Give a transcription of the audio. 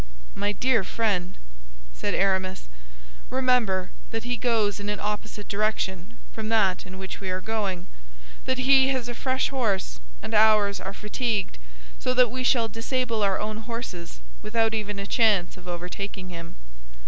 "My dear friend," said Aramis, "remember that he goes in an opposite direction from that in which we are going, that he has a fresh horse, and ours are fatigued, so that we shall disable our own horses without even a chance of overtaking him.